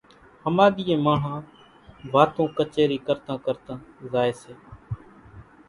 ۿماۮِيئين ماڻۿان واتون ڪچيرِي ڪرتان ڪرتان زائي سي